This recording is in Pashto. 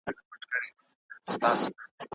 ماشومان په چټکۍ زده کړه کوي.